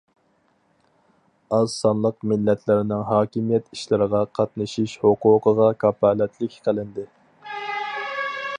ئاز سانلىق مىللەتلەرنىڭ ھاكىمىيەت ئىشلىرىغا قاتنىشىش ھوقۇقىغا كاپالەتلىك قىلىندى.